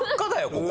ここ。